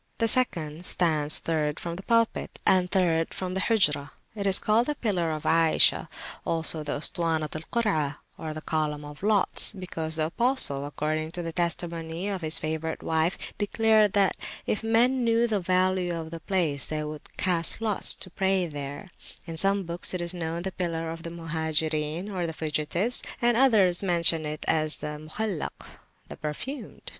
The second stands third from the Pulpit, and third from the Hujrah. It is called the Pillar of Ayishah, also the Ustuwanat al Kurah, or the Column of Lots, because the Apostle, according to the testimony of his favourite wife, declared that if men knew the value of the place, they would cast lots to pray there: in some books it is known as the Pillar of the Muhajirin or Fugitives, and others mention it as Al Mukhallak the Perfumed.